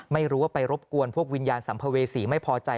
ไม่รู้ว่าไปรบกวนพวกวิญญาณสัมภเวษีไม่พอใจ